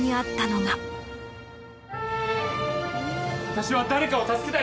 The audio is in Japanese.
私は誰かを助けたり。